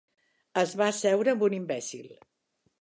Es va asseure amb un imbècil.